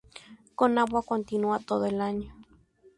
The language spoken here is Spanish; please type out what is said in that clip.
Con agua continua todo el año.